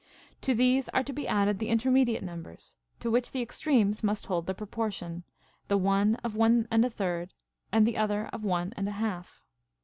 To these are to be added the intermediate numbers, to which the extremes must hold the proportion, the one of one and a third, and the other of one and a half.